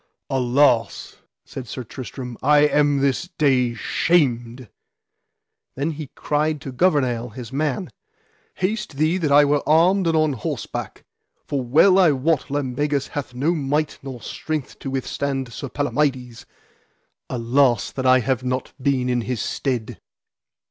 Alas, said Sir Tristram, I am this day shamed. Then he cried to Gouvernail his man: Haste thee that I were armed and on horseback, for well I wot Lambegus hath no might nor strength to withstand Sir Palamides: alas that I have not been in his stead!